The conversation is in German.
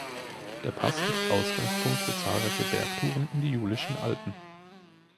Der Pass ist Ausgangspunkt für zahlreiche Bergtouren in die Julischen Alpen.